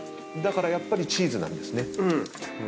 だからやっぱりチーズなんですね。